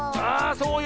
そうだよ。